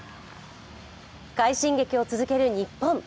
快進撃を続ける日本。